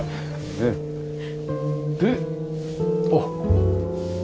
であっ。